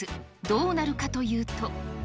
どうなるかというと。